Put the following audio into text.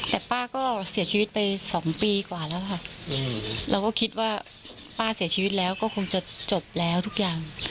แต่ป้าก็เสียชีวิตไป๒ปีกว่าแล้วค่ะเราก็คิดว่าป้าเสียชีวิตแล้วก็คงจะจบแล้วทุกอย่าง